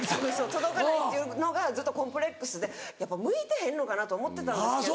届かないっていうのがずっとコンプレックスでやっぱ向いてへんのかなと思ってたんですけど。